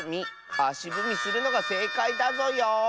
あしぶみするのがせいかいだぞよ。